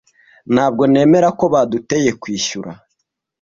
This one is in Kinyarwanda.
Ntabwo nemera ko baduteye kwishyura.